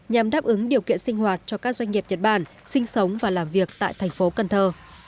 nhằm đáp ứng điều kiện sinh hoạt cho các doanh nghiệp nhật bản sinh sống và làm việc tại thành phố cần thơ